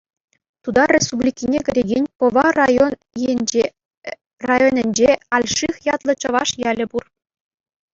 Тутар Республикине кӗрекен Пӑва район-ӗнче Альших ятлӑ чӑваш ялӗ пур.